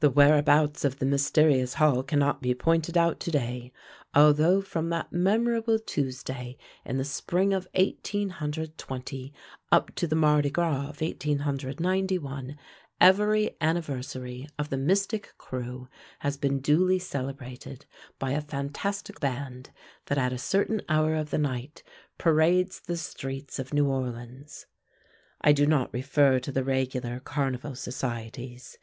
The whereabouts of the mysterious hall cannot be pointed out to day, although from that memorable Tuesday in the spring of 1820 up to the Mardi Gras of 1891, every anniversary of the Mystic Krewe has been duly celebrated by a fantastic band that at a certain hour of the night parades the streets of New Orleans. I do not refer to the regular carnival societies.